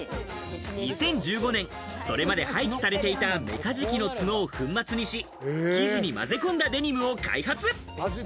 ２０１５年それまで廃棄されていたメカジキのツノを粉末にし、生地にまぜ込んだデニムを開発。